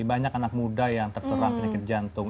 banyak anak muda yang terserang penyakit jantung